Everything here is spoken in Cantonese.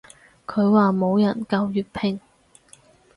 佢話冇人教粵拼